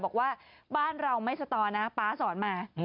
บอกว่าบ้านเราไม่สตอนะป๊าสอนมา